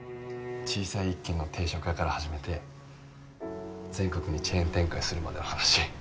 小さい一軒の定食屋から始めて全国にチェーン展開するまでの話。